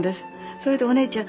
それでお姉ちゃん